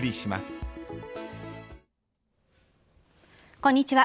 こんにちは。